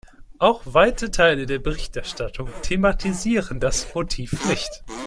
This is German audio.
Auch weite Teile der Berichterstattung thematisierten das Motiv nicht.